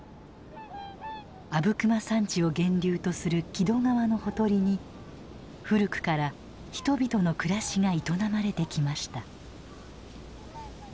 阿武隈山地を源流とする木戸川のほとりに古くから人々の暮らしが営まれてきました。